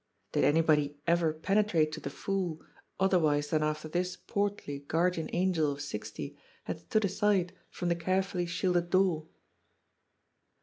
Did anybody ever penetrate to the Fool, otherwise than after this portly guardian angel of sixty had stood aside from the carefully shielded door